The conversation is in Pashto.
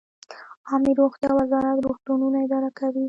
عامې روغتیا وزارت روغتونونه اداره کوي